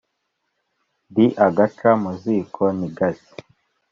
ndi agaca mu ziko ntigashye,